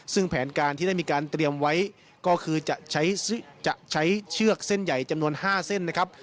ซึ่งแผนการที่ได้มีการเตรียมไว้ก็คือจะใช้เชือกเส้นใหญ่จำนวน๕เส้นนะครับ